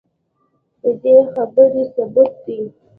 ددې خبرې ثبوت دے